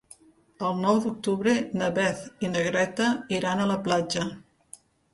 El nou d'octubre na Beth i na Greta iran a la platja.